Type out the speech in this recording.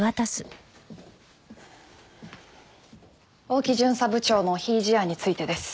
大木巡査部長の非違事案についてです。